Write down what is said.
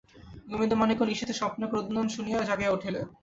গোবিন্দমাণিক্য নিশীথে স্বপ্নে ক্রন্দন শুনিয়া জাগিয়া উঠিলেন।